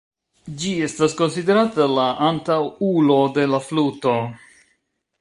Ĝi estas konsiderata la antaŭulo de la fluto.